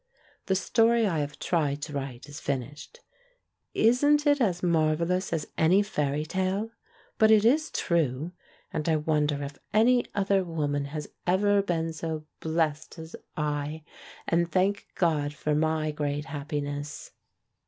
The story I have tried to write is finished. Isn't it as mar vellous as any fairy tale? But it is true! And I wonder if any other woman has ever been so blessed as I, and thank God for my great happi ness.